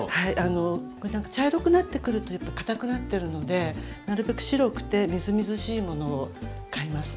茶色くなってくるとやっぱりかたくなってるのでなるべく白くてみずみずしいものを買います。